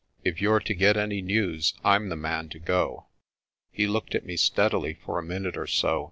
If you're to get any news, I'm the man to go." He looked at me steadily for a minute or so.